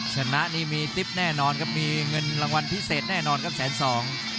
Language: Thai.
ชนะนี่มีติ๊บแน่นอนครับมีเงินรางวัลพิเศษแน่นอนครับแสนสอง